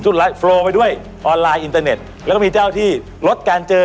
โฟล์ไปด้วยออนไลน์อินเตอร์เน็ตแล้วก็มีเจ้าที่ลดการเจอ